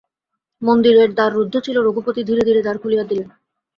মন্দিরের দ্বার রুদ্ধ ছিল রঘুপতি ধীরে ধীরে দ্বার খুলিয়া দিলেন।